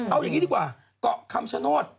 เอาอย่างนี้ดีกว่าเกาะคำชโนธ